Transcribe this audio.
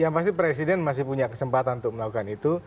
yang pasti presiden masih punya kesempatan untuk melakukan itu